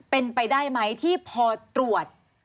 เป็นไปได้ไหมที่พอตรวจ